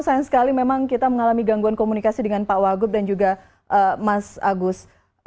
sayang sekali memang kita mengalami gangguan komunikasi dengan pak wagub dan juga mas agus